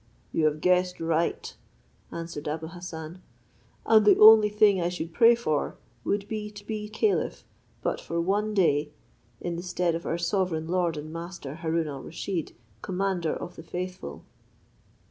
"You have guessed right," answered Abou Hassan; "and the only thing I should pray for, would be to be caliph but for one day, in the stead of our sovereign lord and master Haroon al Rusheed, commander of the faithful."